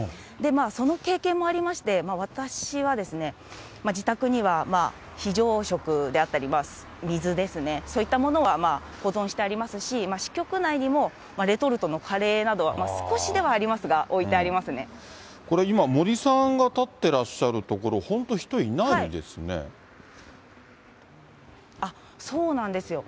その経験もありまして、私は自宅には非常食であったり、水ですね、そういったものは保存してありますし、支局内にもレトルトのカレーなど、これ、今、森さんが立ってらっしゃる所、本当、そうなんですよ。